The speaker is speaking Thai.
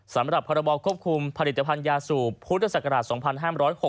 สำหรับพรบควบคุมผลิตภัณฑ์ยาสูบพุทธศักราช๒๕๖๖